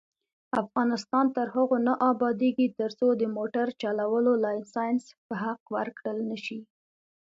افغانستان تر هغو نه ابادیږي، ترڅو د موټر چلولو لایسنس په حق ورکړل نشي.